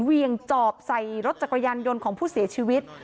เวียงจอบใส่รถจักรยานยนต์ของผู้เสียชีวิต